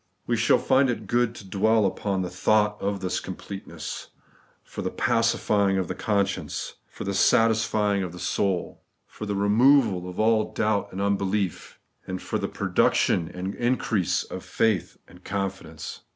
Wo shall find it good to dwell upon the thought of this completeness, for the pacifying of the conscience, for the satisfying of the soul, for the removal of all doubt and unbelief, and for the pro duction and increase of faith and confidence.